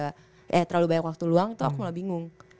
aku kayak bosen gak ada eh terlalu banyak waktu luang tuh aku mulai bingung